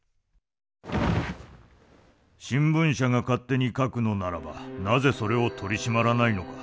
新聞社が勝手に書くのならばなぜそれを取り締まらないのか。